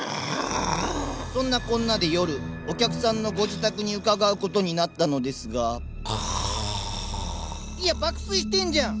そんなこんなで夜お客さんのご自宅に伺う事になったのですがいや爆睡してんじゃん！